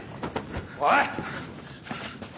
おい！